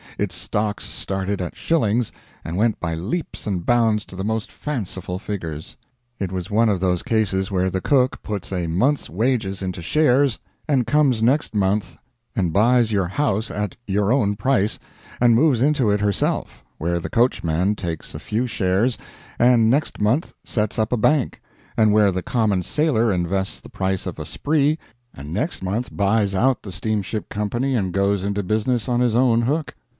Its stocks started at shillings, and went by leaps and bounds to the most fanciful figures. It was one of those cases where the cook puts a month's wages into shares, and comes next month and buys your house at your own price, and moves into it herself; where the coachman takes a few shares, and next month sets up a bank; and where the common sailor invests the price of a spree, and the next month buys out the steamship company and goes into business on his own hook.